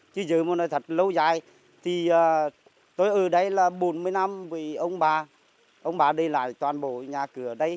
chứ dưới mà nó thật lâu dài thì tôi ở đây là bốn mươi năm vì ông bà ông bà đi lại toàn bộ nhà cửa đấy